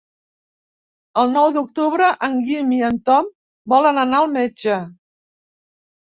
El nou d'octubre en Guim i en Tom volen anar al metge.